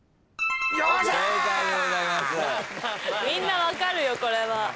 みんな分かるよこれは。